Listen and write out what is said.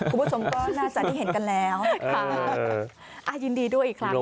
คุณผู้ชมก็น่าจะได้เห็นกันแล้วค่ะอ่ายินดีด้วยอีกครั้ง